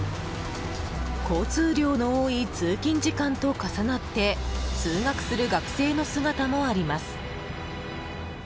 交通量の多い通勤時間と重なって通学する学生の姿もあります。